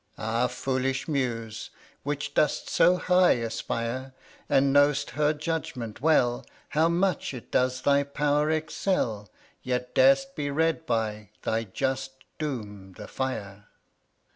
Ah, foolish Muse! which dost so high aspire, And know'st her judgment well, How much it does thy power excel, Yet dar'st be read by, thy just doom, the fire.